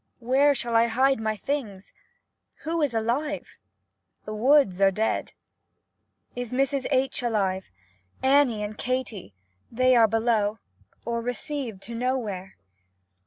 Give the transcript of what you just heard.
Where shall I hide my things? Who is alive? The woods are dead. Is Mrs H. alive ? Annie and Katie — are they below, or received to nowhere?